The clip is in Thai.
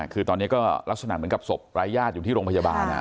คือตอนนี้ก็ลักษณะเหมือนกับศพรายญาติอยู่ที่โรงพยาบาล